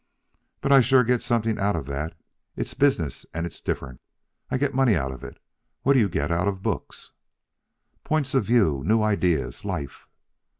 "But I sure get something out of that. It's business, and it's different. I get money out of it. What do you get out of books?" "Points of view, new ideas, life."